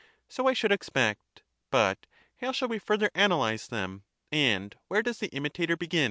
So I should expect. But how shall we further analyse them, and where does the imitator begin?